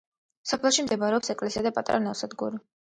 სოფელში მდებარეობს ეკლესია და პატარა ნავსადგური.